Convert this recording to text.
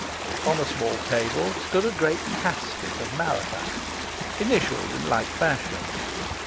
On a small table stood a great casket of malachite, initialled in like fashion.